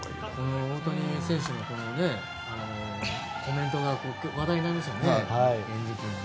大谷選手のコメントが話題になりましたよね。